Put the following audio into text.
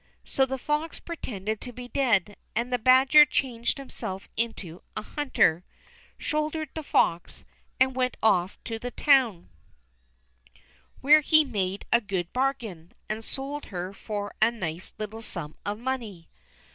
So the fox pretended to be dead, and the badger changed himself into a hunter, shouldered the fox, and went off to the town, where he made a good bargain, and sold her for a nice little sum of money.